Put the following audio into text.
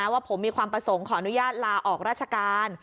ว่าผมมีความประสงค์ขออนุญาตลาออกราชการ